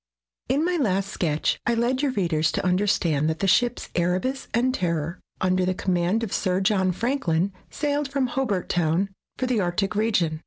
In my last sketch I led your readers to understand that the ships Erebus and Terror, under the command of Sir John Franklin, sailed from Hobart Town for the Arctic region.